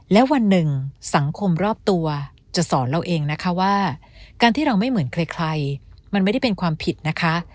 และวันหนึ่งสังคมรอบตัวจะสอนเราเองนะคะว่าการที่เราไม่เหมือนใครมันไม่ได้เป็นความผิดนะคะ